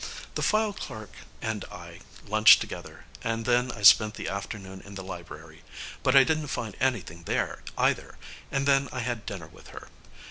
The file clerk and I lunched together and then I spent the afternoon in the library. But I didn't find anything there, either, and then I had dinner with her.